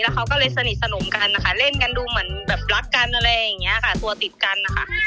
เขาก็เลยสนิทสนมกันนะคะเล่นกันดูเหมือนแบบรักกันอะไรอย่างนี้ค่ะตัวติดกันนะคะ